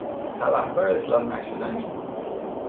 تبهکار اصلاح نشدنی